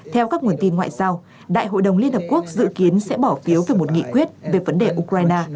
theo các nguồn tin ngoại giao đại hội đồng liên hợp quốc dự kiến sẽ bỏ phiếu về một nghị quyết về vấn đề ukraine